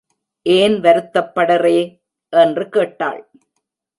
ஏன் வருத்தப்படறே? என்று கேட்டாள்.